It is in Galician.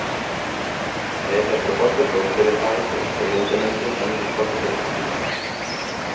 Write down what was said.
E estas propostas que vostede fai pois, evidentemente, estamos dispostos a discutilas.